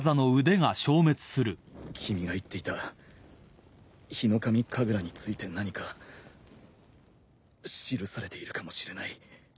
君が言っていたヒノカミ神楽について何か記されているかもしれない。